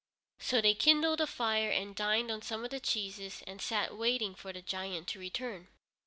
So they kindled a fire, and dined on some of the cheeses, and sat waiting for the giant to return.